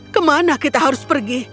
kemana kita harus pergi